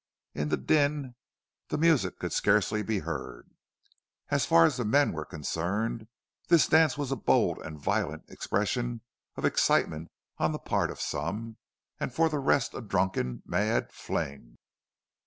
In the din the music could scarcely be heard. As far as the men were concerned this dance was a bold and violent expression of excitement on the part of some, and for the rest a drunken, mad fling.